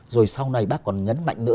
rồi sau này bác còn nhấn mạnh nữa